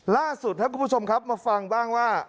ล่าสุดครับคุณผู้ชมครับมาฟังบ้างว่า